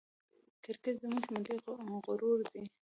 کرکټ زموږ ملي غرور دئ.